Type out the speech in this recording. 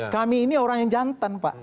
kami ini orang yang jantan pak